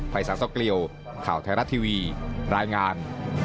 สารสเกลียวข่าวไทยรัฐทีวีรายงาน